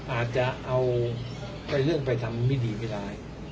อาจจะเอาไปเรื่องไปทำไม่ดีก็ได้